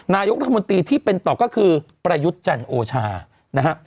นายกรัฐมนตรีที่เป็นต่อก็คือประยุทธ์จันทร์โอชานะฮะ